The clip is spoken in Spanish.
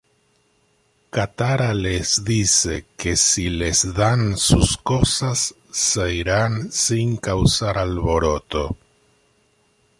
Katara les dice que si les dan sus cosas se iran sin causar alboroto.